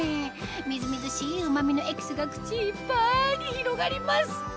みずみずしいうま味のエキスが口いっぱいに広がります